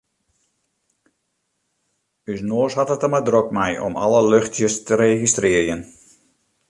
Us noas hat it der mar drok mei om alle luchtsjes te registrearjen.